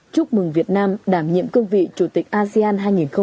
chúc mừng việt nam đảm nhiệm cương vị chủ tịch asean hai nghìn hai mươi